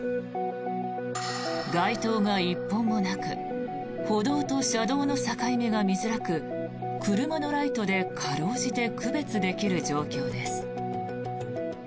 街灯が１本もなく歩道と車道の境目が見づらく車のライトで辛うじて区別できる状況です。